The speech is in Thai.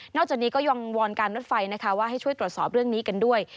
จากนี้ก็ยังวอนการรถไฟนะคะว่าให้ช่วยตรวจสอบเรื่องนี้กันด้วย